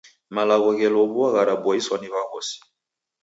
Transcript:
Malagho ghelow'ua gharaboiswa ni w'aghosi.